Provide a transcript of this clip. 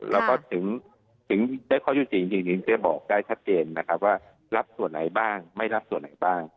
แล้วก็ถึงได้ข้อยุติจริงถึงจะบอกได้ชัดเจนนะครับว่ารับส่วนไหนบ้างไม่รับส่วนไหนบ้าง